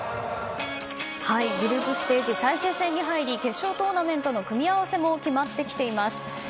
グループステージ最終戦に入り決勝トーナメントの組み合わせも決まってきています。